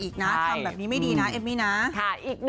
อีกนะทำแบบนี้ไม่ดีนะเอมมี่นะ